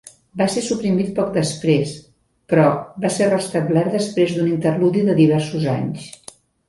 Va ser suprimit poc després, però, va ser restablert després d'un interludi de diversos anys.